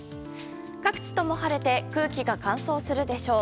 各地とも晴れて空気が乾燥するでしょう。